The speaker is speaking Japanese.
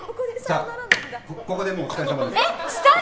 ここでもうお疲れさまです。